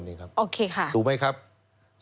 ไม่ถูกไหมครับโอเคค่ะ